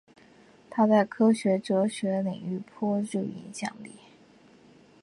他在科学哲学领域颇具影响力。